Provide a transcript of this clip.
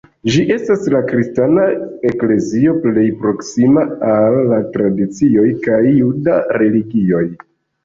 Ĝi estas la kristana eklezio plej proksima al la tradicioj kaj juda religioj.